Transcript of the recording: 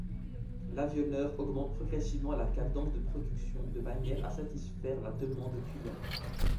L’avionneur augmente progressivement la cadence de production de manière à satisfaire la demande clients.